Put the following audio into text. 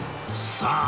さあ。